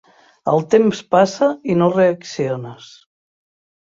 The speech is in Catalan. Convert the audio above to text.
El temps passa i no reacciones.